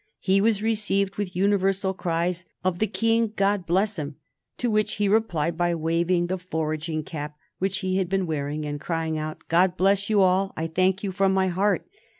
He was received with universal cries of "The King! God bless him!" to which he replied by waving the foraging cap which he had been wearing, and crying out, "God bless you all; I thank you from my heart."